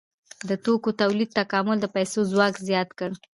د توکو تولید تکامل د پیسو ځواک زیات کړ.